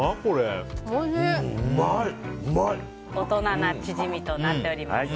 大人なチヂミとなっております。